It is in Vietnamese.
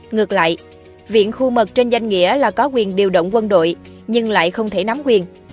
ngược lại viện khu mật trên danh nghĩa là có quyền điều động quân đội nhưng lại không thể nắm quyền